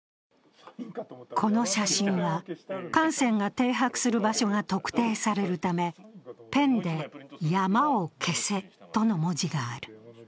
この写真は、艦船が停泊する場所が特定されるため、ペンで「山を消せ」との文字がある。